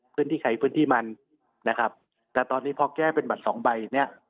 พื้นที่ใครพื้นที่มันนะครับแต่ตอนนี้พอแก้เป็นบัตรสองใบเนี้ย